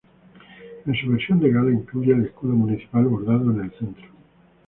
En su versión de gala, incluye el escudo municipal bordado en el centro.